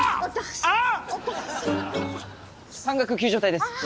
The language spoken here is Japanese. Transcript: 山岳救助隊です。